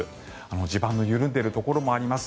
地盤の緩んでいるところもあります。